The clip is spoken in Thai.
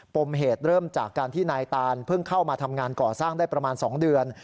ปมเหตุเริ่มจากการที่นายตานเพิ่งเข้ามาทำงานก่อสร้างได้ประมาณ๒เดือน